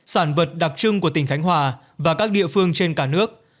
sản vật đặc trưng của tỉnh khánh hòa và các địa phương trên cả nước